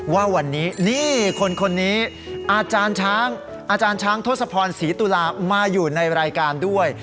ว่าวันนี้นี่คนนี้อาจารย์ช้างอาจารย์ช้างทศพรศรีตุลามาอยู่ในรายการด้วย